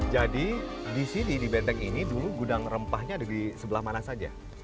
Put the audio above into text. jadi di sini di benteng ini dulu gudang rempahnya ada di sebelah mana saja